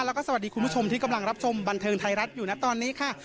แล้วก็สวัสดีคุณผู้ชมที่กำลังรับชมบันเทิงไทยรัฐอยู่นะตอนนี้ค่ะ